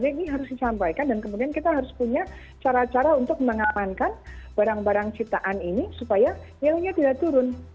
ini harus disampaikan dan kemudian kita harus punya cara cara untuk mengamankan barang barang ciptaan ini supaya nilainya tidak turun